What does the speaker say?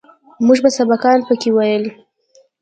موږ به سبقان پکښې ويل.